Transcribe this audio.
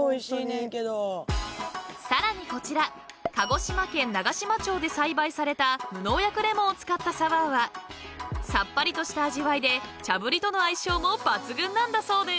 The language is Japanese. ［さらにこちら鹿児島県長島町で栽培された無農薬レモンを使ったサワーはさっぱりとした味わいで茶ぶりとの相性も抜群なんだそうです］